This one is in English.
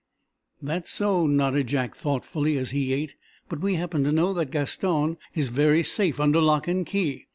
'" "That's so," nodded Jack, thoughtfully, as he ate. "But we happen to know that Gaston is very safe under lock and key.